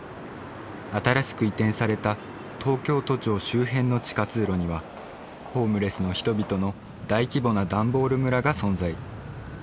新しく移転された東京都庁周辺の地下通路にはホームレスの人々の大規模なダンボール村が存在。